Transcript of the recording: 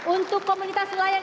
untuk komunitas nelayan